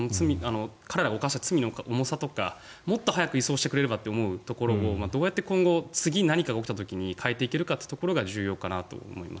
彼らが犯した罪の重さとかもっと早く移送してくれればと思うところも次、何かが起きた時に変えていけるかというところが重要かと思います。